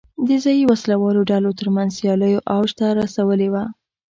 د ځايي وسله والو ډلو ترمنځ سیالیو اوج ته رسولې وه.